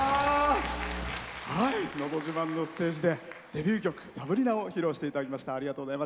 「のど自慢」のステージでデビュー曲「サブリナ」を披露していただきました。